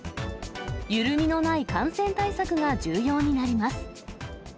緩みのない感染対策が重要になります。